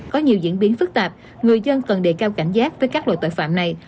có nhiều diễn biến phức tạp người dân cần đề cao cảnh giác với các loại tội phạm này